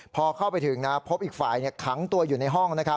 พอเข้าไปถึงพบอีกฝ่ายขังตัวอยู่ในห้อง